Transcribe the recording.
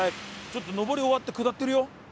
ちょっと上り終わって下ってるよ！